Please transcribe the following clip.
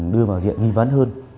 đưa vào diện nghi vấn hơn